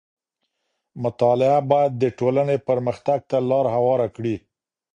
مطالعه بايد د ټولنې پرمختګ ته لار هواره کړي.